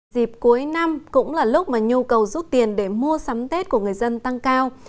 dịp cuối năm cũng là lúc mà nhu cầu rút tiền để mua sắm tết của người dân tăng cao